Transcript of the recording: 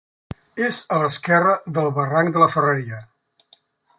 És a l'esquerra del barranc de la Ferreria.